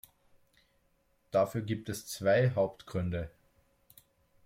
Dafür gibt es zwei Hauptgründe.